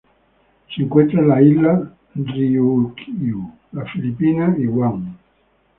Se encuentran en las islas Ryukyu, las Filipinas y Guam.